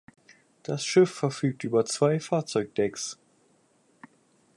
Das Schiff verfügt über zwei Fahrzeugdecks.